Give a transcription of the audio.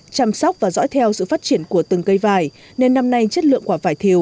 chăm sóc và dõi theo sự phát triển của từng cây vải